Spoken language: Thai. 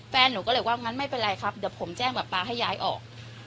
แฟนหนูก็เลยว่างั้นไม่เป็นไรครับเดี๋ยวผมแจ้งแบบป๊าให้ย้ายออก